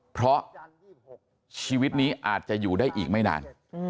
เพราะชีวิตนี้อาจจะอยู่ได้อีกไม่นาน